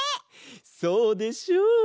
そうでしょう？